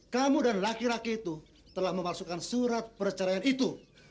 kamu dan laki laki itu telah memasukkan surat perceraian itu